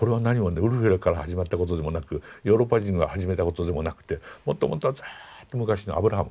ウルフィラから始まったことでもなくヨーロッパ人が始めたことでもなくてもっともっとずっと昔のアブラハム。